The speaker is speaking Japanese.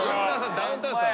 ダウンタウンさん。